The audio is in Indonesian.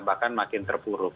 bahkan makin terpuruk